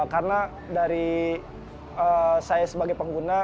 karena dari saya sebagai pengguna